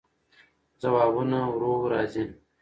ځوابونه ورو راځي.